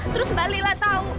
terus balila tahu